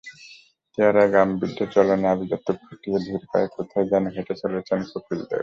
চেহারায় গাম্ভীর্য, চলনে আভিজাত্য ফুটিয়ে ধীর পায়ে কোথায় যেন হেঁটে চলেছেন কপিল দেব।